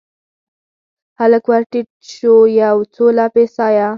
هلک ورټیټ شو یو، څو لپې سایه